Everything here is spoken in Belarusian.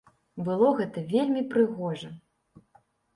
Было гэта вельмі прыгожа.